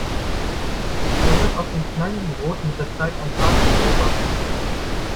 So wird aus dem knalligen Rot mit der Zeit ein zartes Rosa.